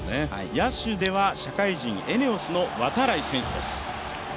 野手では社会人ＥＮＥＯＳの度会選手ですね。